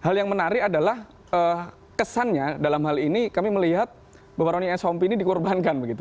hal yang menarik adalah kesannya dalam hal ini kami melihat bahwa ronny of sompi ini dikorbankan